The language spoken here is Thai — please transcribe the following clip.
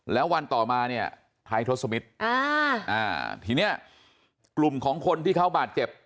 แล้ววันต่อมาเนี่ยไทยทศมิตรทีเนี้ยกลุ่มของคนที่เขาบาดเจ็บ